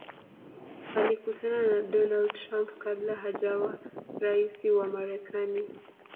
alikutana na donald trump kabla hajawa raisi wa marekani